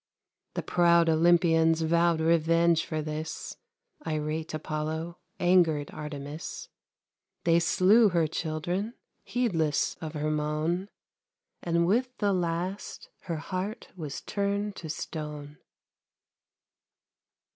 The proud Olympians vowed revenge for this, Irate Apollo, angered Artemis; They slew her children, heedless of her moan, And with the last her heart was turned to stone.